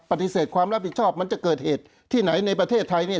ปฏิเสธความรับผิดชอบมันจะเกิดเหตุที่ไหนในประเทศไทยเนี่ย